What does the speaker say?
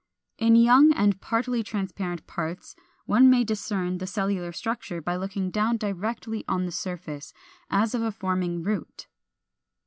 In young and partly transparent parts one may discern the cellular structure by looking down directly on the surface, as of a forming root.